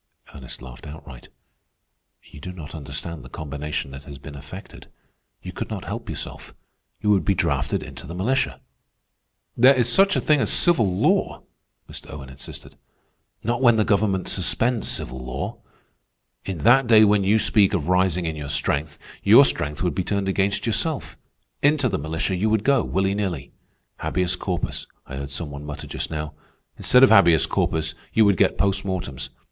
Ernest laughed outright. "You do not understand the combination that has been effected. You could not help yourself. You would be drafted into the militia." "There is such a thing as civil law," Mr. Owen insisted. "Not when the government suspends civil law. In that day when you speak of rising in your strength, your strength would be turned against yourself. Into the militia you would go, willy nilly. Habeas corpus, I heard some one mutter just now. Instead of habeas corpus you would get post mortems.